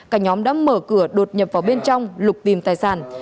cả nhóm đã mở cửa đột nhập vào bên trong lục tìm tài sản